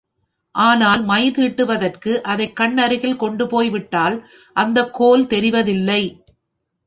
ஆனால் மை தீட்டுவதற்கு அதைக் கண் அருகில் கொண்டு போய்விட்டால் அந்தக் கோல் தெரிவதில்லை.